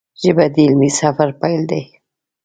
ژبه د علمي سفر پیل دی